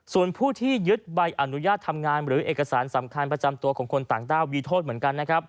ส่วนผู้ที่ยึดใบอนุญาตทำงานหรือเอกสารสำคัญประจำตัวของคนต่างด้าวมีโทษเหมือนกันนะครับ